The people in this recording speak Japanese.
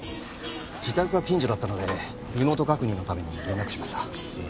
自宅が近所だったので身元確認のために連絡しました。